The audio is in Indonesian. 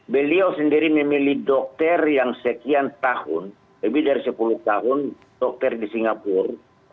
beliau sendiri memilih dokter yang sekian tahun lebih dari sepuluh tahun dokter di singapura